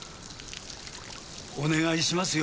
お願いしますよ